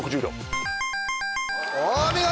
お見事！